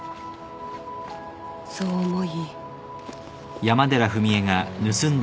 「そう思い」